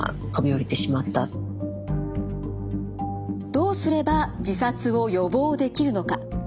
どうすれば自殺を予防できるのか。